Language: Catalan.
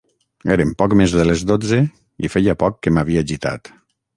Eren poc més de les dotze i feia poc que m'havia gitat.